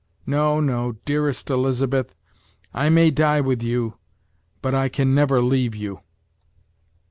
No no dearest Elizabeth, I may die with you, but I can never leave you!"